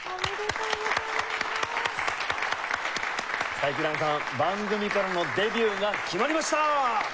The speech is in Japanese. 佐伯藍さん番組からのデビューが決まりました！